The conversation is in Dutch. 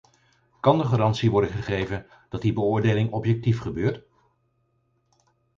Kan de garantie worden gegeven dat die beoordeling objectief gebeurt?